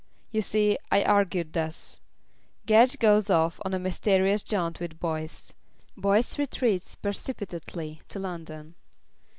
You see, I argued thus: Gedge goes off on a mysterious jaunt with Boyce. Boyce retreats precipitately to London.